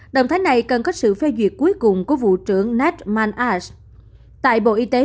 động thái này cần có sự phê duyệt cuối cùng của vụ trưởng ned manage tại bộ y tế